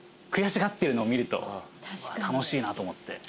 悔しがってるのを見ると楽しいなと思って。